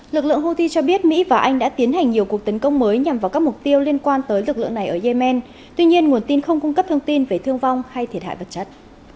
lực lượng houthi cho biết mỹ và anh đã tiến hành nhiều cuộc tấn công mới nhằm vào các mục tiêu liên quan tới lực lượng này ở yemen tuy nhiên nguồn tin không cung cấp thông tin về thương vong hay thiệt hại vật chất